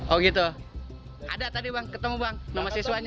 oh gitu ada tadi bang ketemu bang nama siswanya